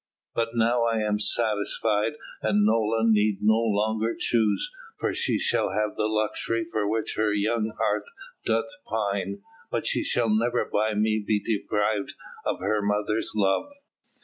But now I am satisfied and Nola need no longer choose, for she shall have the luxury for which her young heart doth pine, but she shall never by me be deprived of her mother's love."